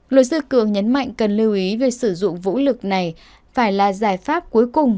luật sư cường nhấn mạnh cần lưu ý việc sử dụng vũ lực này phải là giải pháp cuối cùng